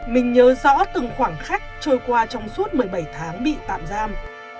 mình nhớ rõ từng khoảng khách trôi qua trong suốt một mươi bảy tháng bị tạm giam